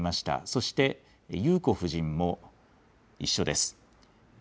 そして、裕子夫人も一緒です。